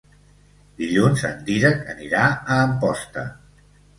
Dilluns en Dídac anirà a Amposta.